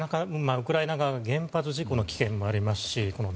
ウクライナ側は原発事故の危険もあります